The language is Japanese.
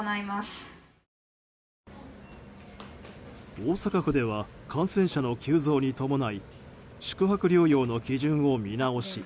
大阪府では感染者の急増に伴い宿泊療養の基準を見直し